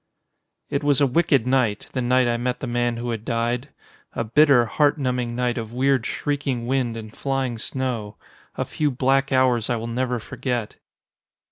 It was a wicked night, the night I met the man who had died. A bitter, heart numbing night of weird, shrieking wind and flying snow. A few black hours I will never forget.